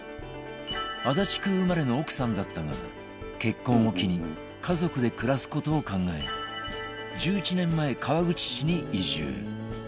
足立区生まれの奥さんだったが結婚を機に家族で暮らす事を考え１１年前川口市に移住